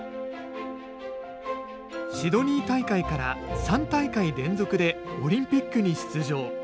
シドニー大会から３大会連続でオリンピックに出場。